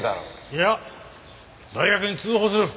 いや大学に通報する。